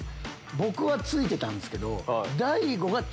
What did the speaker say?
僕は着いてたんですけど。